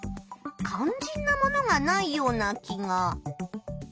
かんじんなものがないような気が。